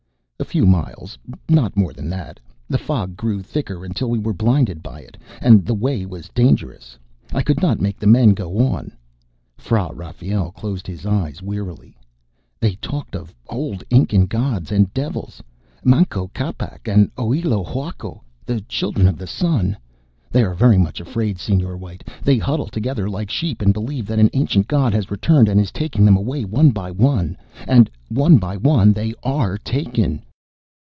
"A few miles, not more than that. The fog grew thicker, until we were blinded by it, and the way was dangerous. I could not make the men go on." Fra Rafael closed his eyes wearily. "They talked of old Inca gods and devils Manco Capac and Oello Huaco, the Children of the Sun. They are very much afraid, Señor White. They huddle together like sheep and believe that an ancient god has returned and is taking them away one by one. And one by one they are taken."